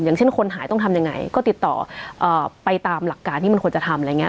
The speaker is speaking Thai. อย่างเช่นคนหายต้องทำยังไงก็ติดต่อไปตามหลักการที่มันควรจะทำอะไรอย่างนี้